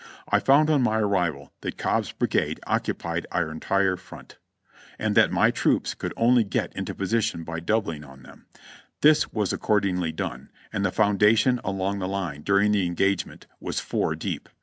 I found on my arrival that Cobb's brigade occupied our entire front, and that my troops could only get into position by doub ling on them ; this was accordingly done, and the foundation along the line during the engagement was four deep.